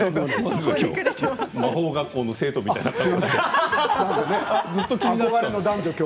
魔法学校の生徒みたいな感じで。